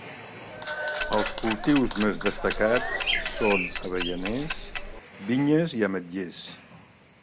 Els cultius més destacats són avellaners, vinyes i ametllers.